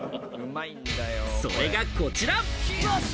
それがこちら。